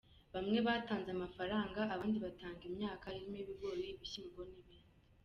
Bamwe batanze amafaranga, abandi batanga imyaka irimo ibigori, ibishyimbo n’ibindi.